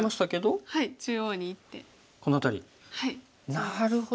なるほど。